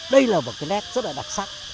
đây là một cái nét rất là đặc sắc